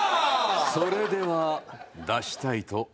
それでは出したいと思います。